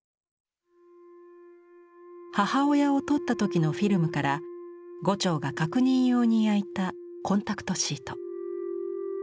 母親を撮った時のフィルムから牛腸が確認用に焼いたコンタクトシート。